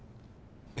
え。